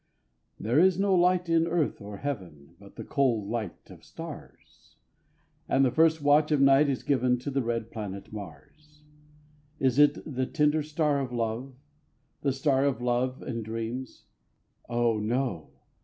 There is no light in earth or heaven, But the cold light of stars; And the first watch of night is given To the red planet Mars. Is it the tender star of love? The star of love and dreams? Oh, no!